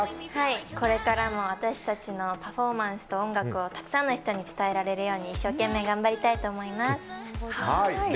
これからも私たちのパフォーマンスと音楽をたくさんの人に伝えられるように一生懸命頑張りたいと思います。